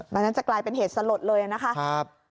มันนั้นจะกลายเป็นเหตุสลดเลยนะคะ